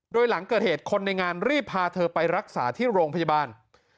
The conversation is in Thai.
โดยหลังเกิดเหตุคนในงานรีบพาเธอไปรักษาที่โรงพยาบาล